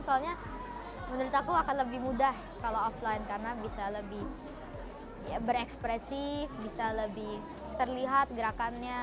soalnya menurut aku akan lebih mudah kalau offline karena bisa lebih berekspresif bisa lebih terlihat gerakannya